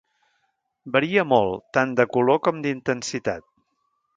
Varia molt, tant de color com d’intensitat.